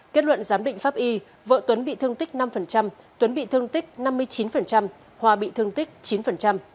kết luận giám định pháp y vợ tuấn bị thương tích năm tuấn bị thương tích năm mươi chín hòa bị thương tích chín